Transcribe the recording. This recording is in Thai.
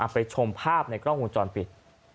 ไปชมภาพในกล้องวงจรปิด